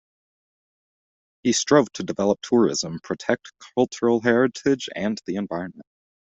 He strove to develop tourism, protect cultural heritage and the environment.